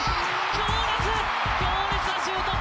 強烈なシュート！